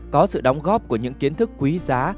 có sự đóng góp của những kiến thức quý giá